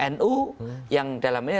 nu yang dalam ini